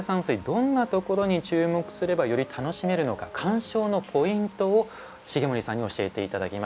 どんなところに注目すればより楽しめるのか鑑賞のポイントを重森さんに教えて頂きます。